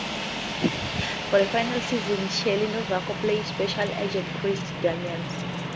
For the final season, Shelly Novack played Special Agent Chris Daniels.